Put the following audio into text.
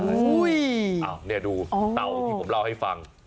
อ้าวเนี่ยดูเต่าที่ผมเล่าให้ฟัง